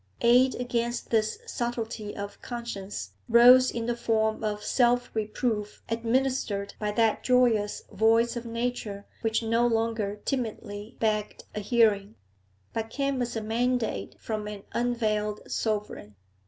Aid against this subtlety of conscience rose in the form of self reproof administered by that joyous voice of nature which no longer timidly begged a hearing, but came as a mandate from an unveiled sovereign.